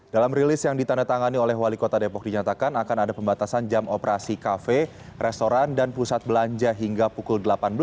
dalam rilis yang ditandatangani oleh wali kota depok dinyatakan akan ada pembatasan jam operasi kafe restoran dan pusat belanja hingga pukul delapan belas